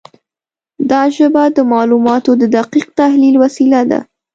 دا ژبه د معلوماتو د دقیق تحلیل وسیله ده.